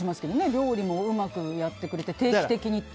料理もうまくやってくれて定期的に。